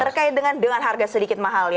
terkait dengan harga sedikit mahal